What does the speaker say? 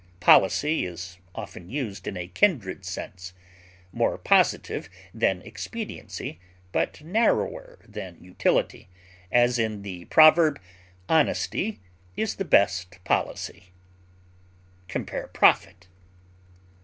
Policy is often used in a kindred sense, more positive than expediency but narrower than utility, as in the proverb, "Honesty is the best policy." Compare PROFIT.